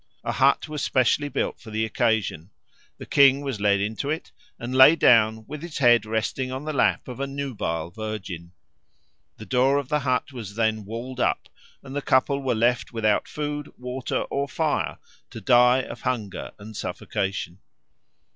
A hut was specially built for the occasion: the king was led into it and lay down with his head resting on the lap of a nubile virgin: the door of the hut was then walled up; and the couple were left without food, water, or fire to die of hunger and suffocation.